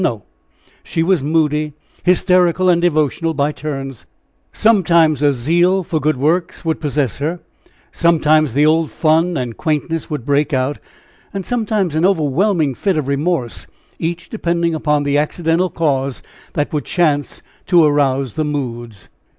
No; she was moody, hysterical and devotional by turns sometimes a zeal for good works would possess her; sometimes the old fun and quaintness would break out, and sometimes an overwhelming fit of remorse each depending upon the accidental cause that would chance to arouse the moods.